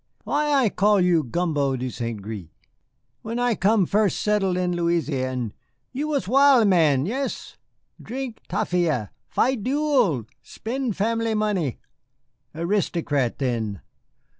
"Why I call you Gumbo de St. Gré? When I come first settle in Louisiane you was wild man yes. Drink tafia, fight duel, spend family money. Aristocrat then.